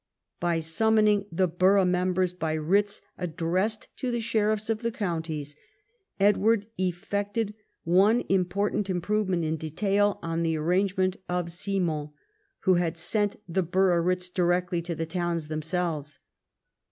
By summoning the borough members by writs addressed to the sheriffs of the counties, Edward effected one important improvement in detail on the arrangement of Simon, who had sent the borough writs direct to the towns themselves.